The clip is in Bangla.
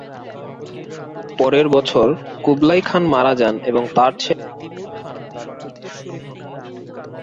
পরের বছর কুবলাই খান মারা যান এবং তার ছেলে তিমুর খান তার উত্তরসূরি হন।